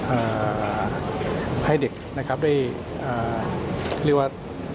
เอ่อให้เด็กนะครับได้อ่าเรียกว่า